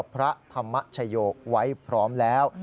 พระธรรมชโยคไว้พร้อมแล้ว